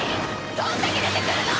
どんだけ出てくるの！？